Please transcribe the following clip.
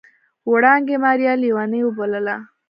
وړانګې ماريا ليونۍ وبلله.